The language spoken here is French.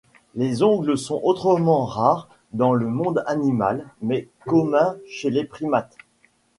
Les ongles sont autrement rares dans le monde animal mais communs chez les primates.